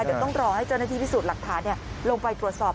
เดี๋ยวต้องรอให้เจ้าหน้าที่พิสูจน์หลักฐานลงไปตรวจสอบ